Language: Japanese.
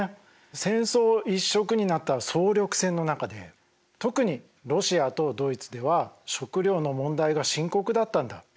戦争一色になった総力戦の中で特にロシアとドイツでは食料の問題が深刻だったんだ。